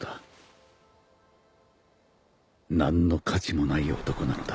何の価値もない男なのだ。